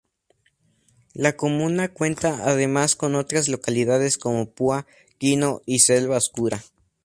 La comuna cuenta además con otras localidades como Púa, Quino y Selva Oscura.